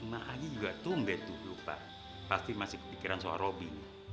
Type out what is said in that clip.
cing emang lagi juga tuh mbak itu lupa pasti masih kepikiran soal robi